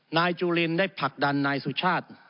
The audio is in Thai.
นายจุลินได้ผลักดันนายสุชาติ